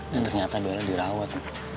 dan ternyata bella dirawat